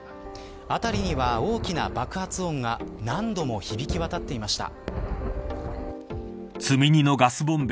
辺りには大きな爆発音が何度も響き渡っていました。